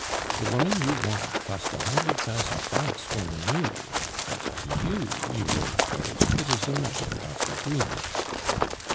The woman you want cost a hundred thousand francs when new; but to you, you old goat, it is a matter of agreement."